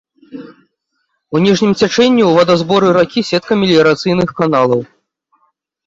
У ніжнім цячэнні ў вадазборы ракі сетка меліярацыйных каналаў.